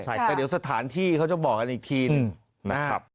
แต่เดี๋ยวสถานที่เขาจะบอกกันอีกทีหนึ่งนะครับ